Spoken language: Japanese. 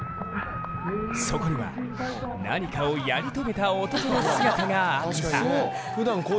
そこには何かをやり遂げた男の姿があった。